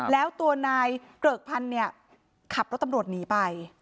แล้วตัวนายเกริกพันธุ์เนี่ยขับรถตำรวจหนีไป